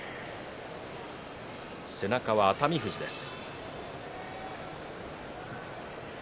背中は、熱海富士です。